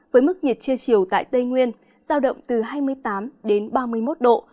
với mức nhiệt trưa chiều tại tây nguyên giao động từ hai mươi tám đến ba mươi một độ